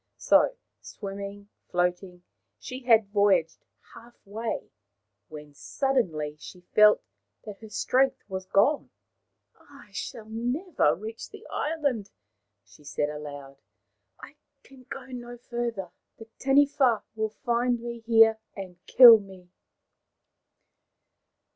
So, swimming, floating, she had voyaged half way, when suddenly she felt that her strength was gone. " I shall never reach the island," she said aloud. " I can go no farther. The Taniwha will find me here and kill me."